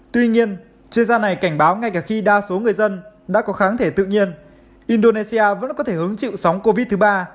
tuy nhiên chuyên gia này cảnh báo ngay cả khi đa số người dân đã có kháng thể tự nhiên indonesia vẫn có thể hứng chịu sóng covid thứ ba